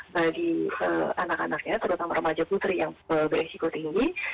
bagi anak anaknya terutama remaja putri yang beresiko tinggi